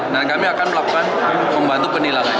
kami akan melakukan membantu penilangan